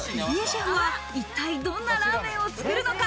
入江シェフは一体、どんなラーメンを作るのか？